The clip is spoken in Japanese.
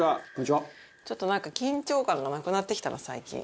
ちょっとなんか緊張感がなくなってきたな最近。